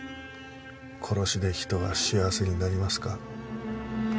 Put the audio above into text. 「殺し」で人は幸せになりますか？